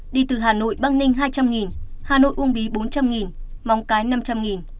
đi từ hà nội băng ninh hai trăm linh hà nội uông bí bốn trăm linh móng cái năm trăm linh